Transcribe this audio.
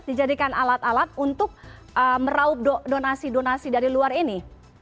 dijadikan alat alat untuk meraup donasi donasi dari luar ini